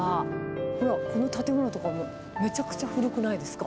ほら、この建物とかもめちゃくちゃ古くないですか？